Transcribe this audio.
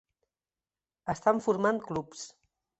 Estan formant clubs.